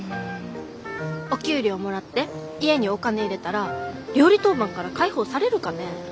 お給料もらって家にお金入れたら料理当番から解放されるかね。